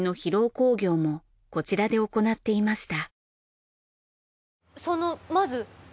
興行もこちらで行っていました。